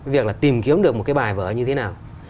việc là tìm kiếm được một cái bài vở như thế nào